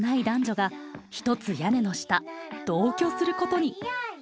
男女がひとつ屋根の下同居することに。